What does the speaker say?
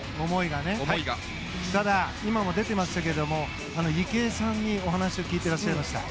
ただ、今も出ていましたが池江さんにお話を聞いていらっしゃいました。